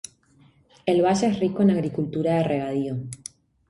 El valle es rico en agricultura de regadío.